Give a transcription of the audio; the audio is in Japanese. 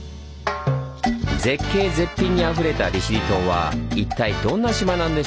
「絶景・絶品」にあふれた利尻島は一体どんな島なんでしょう？